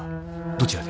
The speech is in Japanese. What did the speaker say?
どちらで？